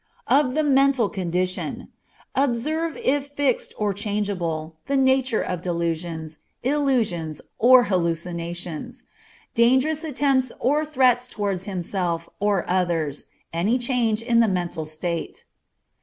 Of the mental condition. Observe if fixed or changeable, the nature of delusions, illusions, or hallucinations; dangerous attempts or threats toward himself or others; any change in the mental state.